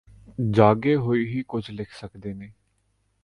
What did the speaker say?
ਜਾਗੇ ਹੋਏ ਹੀ ਕੁੱਝ ਲਿੱਖ ਸਕਦੇ ਹਨ